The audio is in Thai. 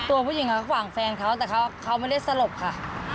ตัวผู้หญิงหวังแฟนเขาแต่เขาไม่ได้สลบค่ะ